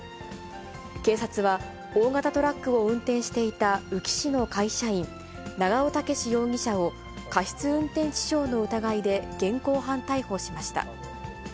警察は、大型トラックを運転していた宇城市の会社員、長尾武容疑者を、過失運転致傷の疑いで現行犯逮捕しました。